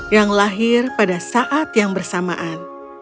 yang lahir pada saat yang bersamaan